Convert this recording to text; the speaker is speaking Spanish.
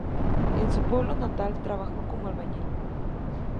En su pueblo natal, trabajó como albañil.